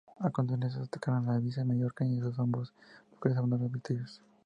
A continuación, atacaron Ibiza y Menorca y, en ambos lugares acabaron victoriosos.